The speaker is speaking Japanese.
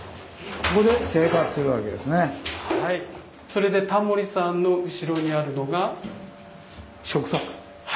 それでタモリさんの後ろにあるのが。